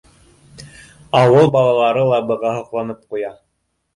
Ауыл балалары ла быға һоҡланып ҡуя: